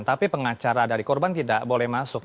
tapi pengacara dari korban tidak boleh masuk